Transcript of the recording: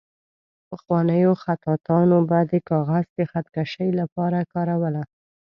پخوانیو خطاطانو به د کاغذ د خط کشۍ لپاره کاروله.